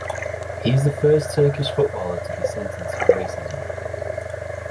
He is the first Turkish footballer to be sentenced for racism.